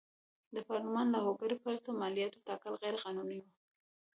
د پارلمان له هوکړې پرته مالیاتو ټاکل غیر قانوني و.